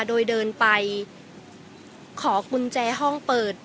โดยเดินไปขอกุญแจห้องเปิด